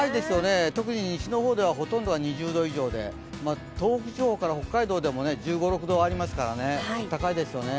特に西の方ではほとんどが２０度以上で東北地方から北海道でも１５１６度ありますので、高いですよね。